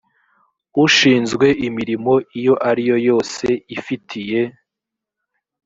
ushinzwe imirimo iyo ari yo yose ifitiye